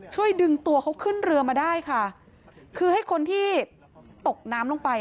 ช่วยดึงตัวเขาขึ้นเรือมาได้ค่ะคือให้คนที่ตกน้ำลงไป